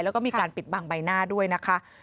แล้วก็มีการปิดบังใบหน้าด้วยนะคะ